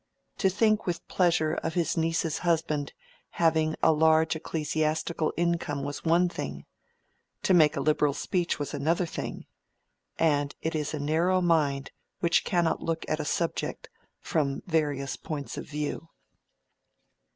To think with pleasure of his niece's husband having a large ecclesiastical income was one thing—to make a Liberal speech was another thing; and it is a narrow mind which cannot look at a subject from various points of view.